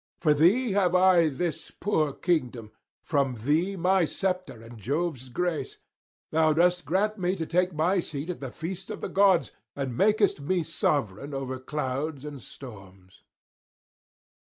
From thee have I this poor kingdom, from thee my sceptre and Jove's grace; thou dost grant me to take my seat at the feasts of the gods, and makest me sovereign over clouds and storms.'